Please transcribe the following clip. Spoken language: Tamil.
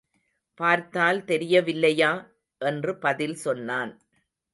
பார்த்தால் தெரியவில்லையா? என்று பதில் சொன்னான்.